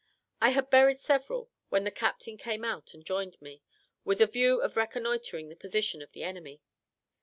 I had buried several, when the captain came out and joined me, with a view of reconnoitring the position of the enemy.